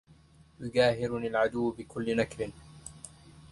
يجاهرني العدو بكل نكر